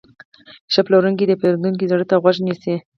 ښه پلورونکی د پیرودونکي زړه ته غوږ نیسي.